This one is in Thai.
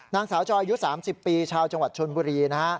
นางสาวจอยอายุ๓๐ปีชาวจังหวัดชนบุรีนะฮะ